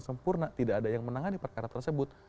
sempurna tidak ada yang menangani perkara tersebut